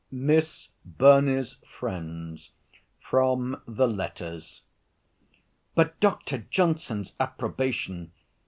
MISS BURNEY'S FRIENDS From the 'Letters' But Dr. Johnson's approbation!